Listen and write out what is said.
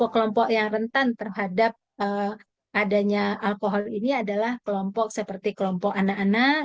kelompok yang rentan terhadap adanya alkohol ini adalah kelompok seperti kelompok anak anak